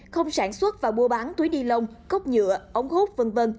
không sản xuất và mua bán túi ni lông cốc nhựa ống hút v v